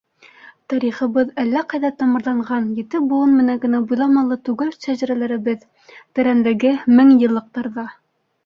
Тарихыбыҙ әллә ҡайҙа тамырланған, ете быуын менән генә буйламалы түгел шәжәрәләребеҙ: тәрәнлеге - меңъйыллыҡтарҙа!